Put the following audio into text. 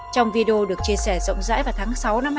trong video được chia sẻ rộng rãi vào tháng sáu hai nghìn hai mươi ba